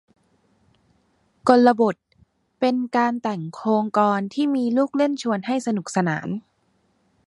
กลบท เป็นการแต่งโคลงกลอนที่มีลูกเล่นชวนให้สนุกสนาน